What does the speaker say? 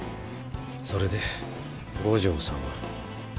それで五条さんは？